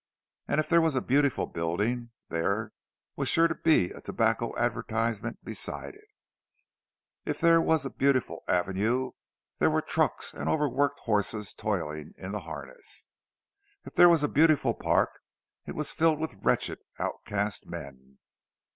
And if there was a beautiful building, there, was sure to be a tobacco advertisement beside it; if there was a beautiful avenue, there were trucks and overworked horses toiling in the harness; if there was a beautiful park, it was filled with wretched, outcast men.